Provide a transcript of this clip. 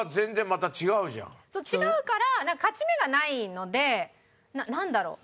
違うから勝ち目がないのでなんだろう？